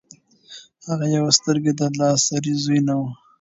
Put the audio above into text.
هغه يو سترګې لا د سړي زوی نه وو.